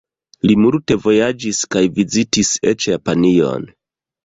Li multe vojaĝis kaj vizitis eĉ Japanion.